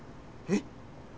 えっ？